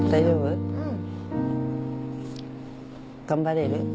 頑張れる？